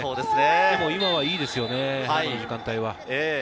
でも今はいいですね、この時間帯は。